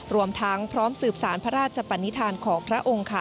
รวมทั้งพร้อมสืบสารพระราชปนิษฐานของพระองค์